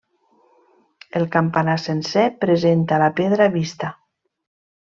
El campanar sencer presenta la pedra vista.